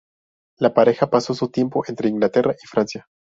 La pareja pasó su tiempo entre Inglaterra y Francia.